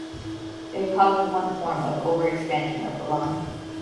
It causes one form of "overexpansion" of the lung.